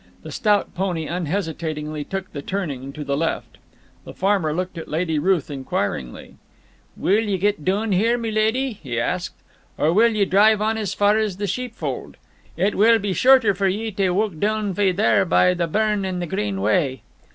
The stout pony unhesitatingly took the turning to the left. The farmer looked at Lady Ruth inquiringly. "Will ye get doon here, my leddy?" he asked; "or will ye drive on as far as the sheepfold? It will be shorter for ye tae walk doon fay there, by the burn and the Green Way."